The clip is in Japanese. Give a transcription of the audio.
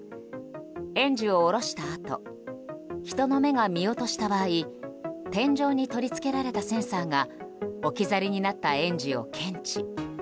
園児を降ろしたあと人の目が見落とした場合天井に取り付けられたセンサーが置き去りになった園児を検知。